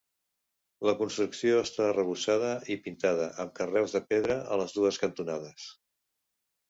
La construcció està arrebossada i pintada, amb carreus de pedra a les dues cantonades.